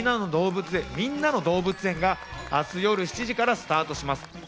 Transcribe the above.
みんなの動物園』が明日夜７時からスタートします。